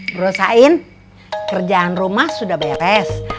bro sain kerjaan rumah sudah beres